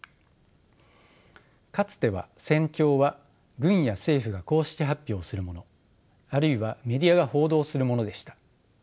かつては戦況は軍や政府が公式発表するものあるいはメディアが報道するものでした。